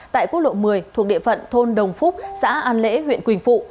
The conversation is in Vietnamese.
tại quốc lộ một mươi thuộc địa phận thôn đồng phúc xã an lễ huyện quỳnh phụ